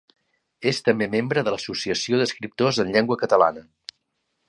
És també membre de l'Associació d'Escriptors en Llengua Catalana.